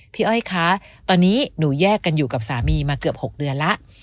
อ้อยคะตอนนี้หนูแยกกันอยู่กับสามีมาเกือบ๖เดือนแล้ว